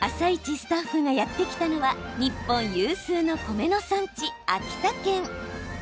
スタッフがやって来たのは日本有数の米の産地、秋田県。